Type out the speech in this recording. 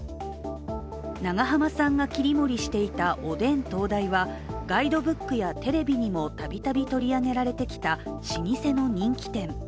長濱さんが切り盛りしていたおでん東大はガイドブックやテレビにも度々取り上げられてきた、老舗の人気店。